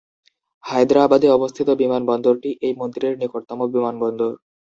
হায়দ্রাবাদে অবস্থিত বিমানবন্দরটি এই মন্দিরের নিকটতম বিমানবন্দর।